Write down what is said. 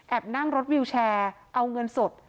นั่งรถวิวแชร์เอาเงินสด